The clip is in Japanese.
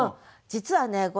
実はね